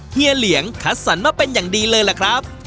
เฮีเหลียงคัดสรรมาเป็นอย่างดีเลยล่ะครับ